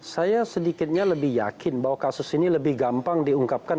saya sedikitnya lebih yakin bahwa kasus ini lebih gampang diungkapkan